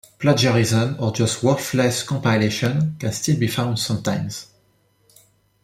Plagiarism or just worthless compilations can still be found sometimes.